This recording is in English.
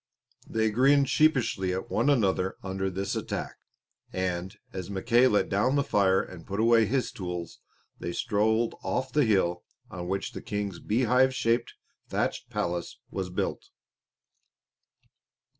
They grinned sheepishly at one another under this attack, and, as Mackay let down the fire and put away his tools, they strolled off to the hill on which the King's beehive shaped thatched palace was built.